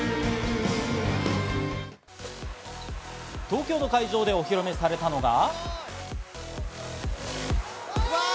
東京の会場でお披露目されたのが。